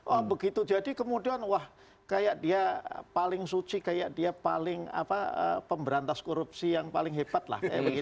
oh begitu jadi kemudian wah kayak dia paling suci kayak dia paling pemberantas korupsi yang paling hebat lah